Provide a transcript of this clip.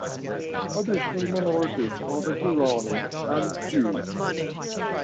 Additional minorities are the Gorani and Jews.